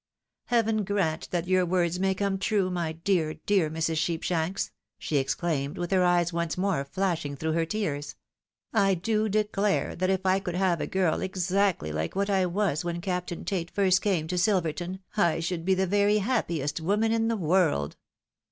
" Heaven grant that your words may come true, my dear, dear Mrs. Sheepshanks !" she exclaimed, with her eyes once more flashing through her tears. " I do declare, that if I could have a girl exactly like what I was when Captain Tate first came to Silverton, I should be the very happiest woman in the world